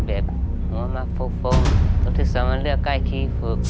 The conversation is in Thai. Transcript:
หวังว่ามาฟุกฟุกรู้สึกสามารถเลือกใกล้ที่ฟุก